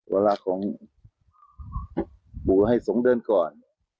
เวลาของปู่ให้สงฆ์เดินก่อน